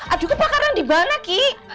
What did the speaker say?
aduh kebakaran di mana ki